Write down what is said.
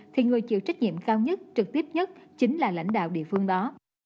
thì người chịu trách nhiệm cao nhất trực tiếp nhất chính là lãnh đạo địa phương đó